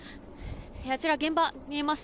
あちら現場見えます。